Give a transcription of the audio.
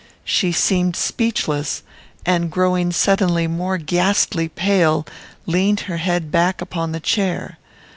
She seemed speechless, and, growing suddenly more ghastly pale, leaned her head back upon the chair.